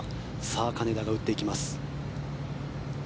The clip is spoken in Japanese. さあ、金田が打っていきます。